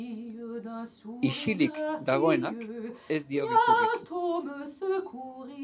Isilik dagoenak ez dio gezurrik.